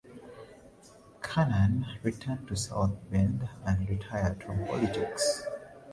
Kernan returned to South Bend and retired from politics.